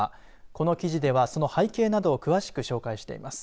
この記事ではその背景などを詳しく紹介しています。